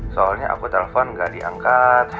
soalnya aku telepon nggak diangkat